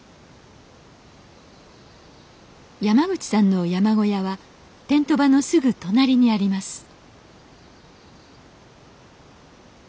山口さんの山小屋はテント場のすぐ隣にあります